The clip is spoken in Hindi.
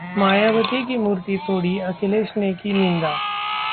मायावती की मूर्ति तोड़ी, अखिलेश ने की निंदा